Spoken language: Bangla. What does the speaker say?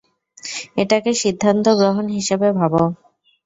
এটাকে সিদ্ধান্ত গ্রহণ হিসেবে ভাবো।